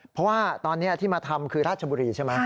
เพราะว่าตอนนี้ที่มาทำคือราชบุรีใช่ไหม